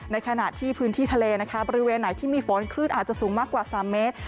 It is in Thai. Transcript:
ขณะที่พื้นที่ทะเลนะคะบริเวณไหนที่มีฝนคลื่นอาจจะสูงมากกว่า๓เมตร